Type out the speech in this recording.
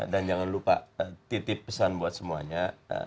dan jangan lupa titip pesan buat semuanya